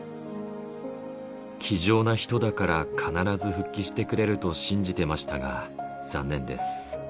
気丈な人だから、必ず復帰してくれると信じてましたが残念です。